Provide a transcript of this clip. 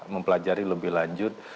mempelajari lebih lanjut